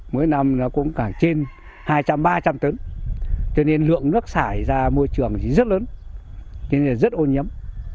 mỗi năm cũng cả trên hai trăm linh ba trăm linh tấn cho nên lượng nước xảy ra môi trường rất lớn rất ô nhiễm